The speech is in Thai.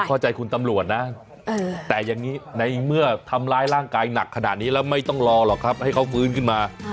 เข้าใจคุณตำรวจนะแต่อย่างนี้ในเมื่อทำร้ายร่างกายหนักขนาดนี้แล้วไม่ต้องรอหรอกครับให้เขาฟื้นขึ้นมา